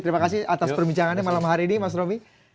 terima kasih atas perbincangannya malam hari ini mas romy